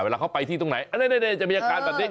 เวลาเขาไปที่ตรงไหนจะมีอาการแบบนี้